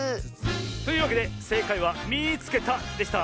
というわけでせいかいは「みいつけた！」でした。